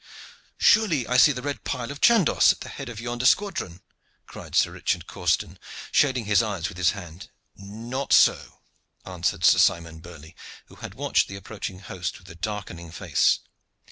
"Surely I see the red pile of Chandos at the head of yonder squadron!" cried Sir Richard Causton, shading his eyes with his hand. "Not so," answered Sir Simon Burley, who had watched the approaching host with a darkening face.